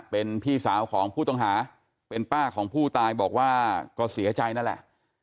เป็นพี่สาวของผู้ต้องหาเป็นป้าของผู้ตายบอกว่าก็เสียใจนั่นแหละ